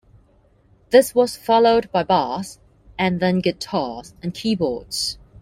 This was followed by bass, and then guitars and keyboards.